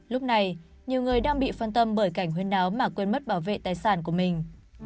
lúc này nhiều người đang bị phân tâm bởi cảnh huyên áo mà quên mất bảo vệ tài sản của mình